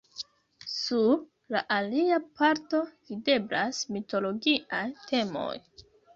Sur la alia parto videblas mitologiaj temoj.